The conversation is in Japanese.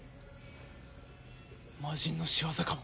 魔人の仕業かも。